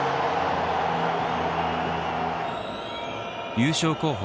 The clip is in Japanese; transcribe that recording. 優勝候補